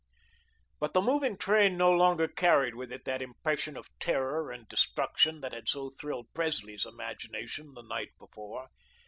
But the moving train no longer carried with it that impression of terror and destruction that had so thrilled Presley's imagination the night before.